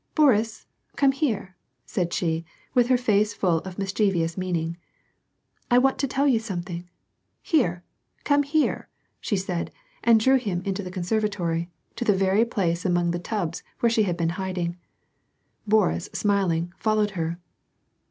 "Boris! Come here," said she, with her face full of mis chievous meaning. " 1 want to tell you something. Here, come here !" she said, and drew him into the conservatory, to the very place among the tubs where she had been in hiding. Boris smiling, followed her.